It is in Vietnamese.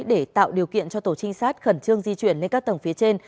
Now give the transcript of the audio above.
để tạo điều kiện cho tổ trinh sát khẩn trương di chuyển lên các tầng phía trên